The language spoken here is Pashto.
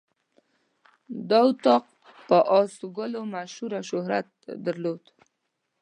دا اطاق په آس ګلو مشهور او شهرت یې درلود.